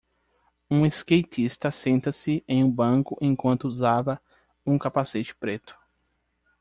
Um skatista senta-se em um banco enquanto usava um capacete preto.